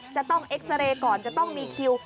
จะต้องเอ็กซาเรย์ก่อนจะต้องมีคิว